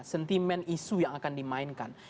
sentimen isu yang akan dimainkan